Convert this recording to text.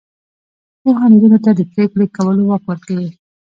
پوهه نجونو ته د پریکړې کولو واک ورکوي.